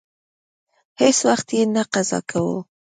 هیڅ وخت یې نه قضا کاوه.